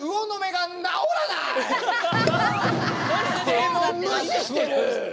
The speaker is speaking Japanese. でも無視してる！